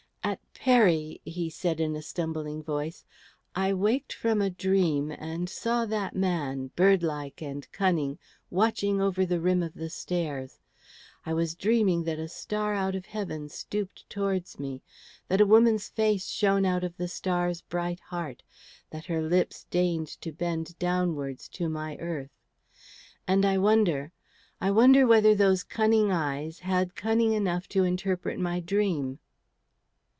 "At Peri," he said in a stumbling voice, "I waked from a dream and saw that man, bird like and cunning, watching over the rim of the stairs. I was dreaming that a star out of heaven stooped towards me, that a woman's face shone out of the star's bright heart, that her lips deigned to bend downwards to my earth. And I wonder, I wonder whether those cunning eyes had cunning enough to interpret my dream."